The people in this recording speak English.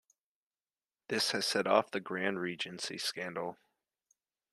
This has set off the Grand Regency Scandal.